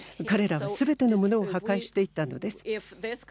彼らはすべてのものを破壊していったのです。